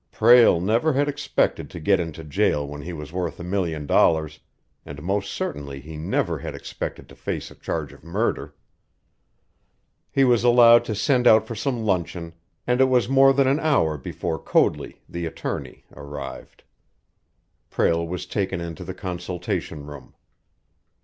Prale never had expected to get into jail when he was worth a million dollars, and most certainly he never had expected to face a charge of murder. He was allowed to send out for some luncheon, and it was more than an hour before Coadley, the attorney, arrived. Prale was taken into the consultation room.